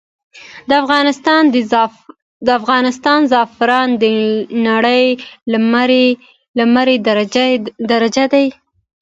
د افغانستان زعفران د نړې لمړی درجه دي.